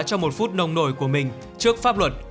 trong một phút nông nổi của mình trước pháp luật